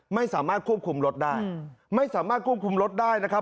ไม่สามารถควบคุมรถได้ไม่สามารถควบคุมรถได้นะครับ